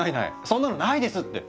そんなのないですって。